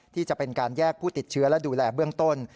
ที่จะเป็นการแยกผู้ติดเชื้อและดูแลเบื้องต้น